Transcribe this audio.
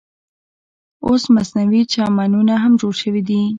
اوس مصنوعي چمنونه هم جوړ شوي دي.